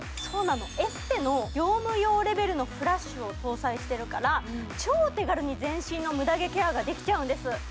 そうなの、エステの業務用レベルのフラッシュを搭載しているから、超手軽に全身のムダ毛ケアができちゃうんです。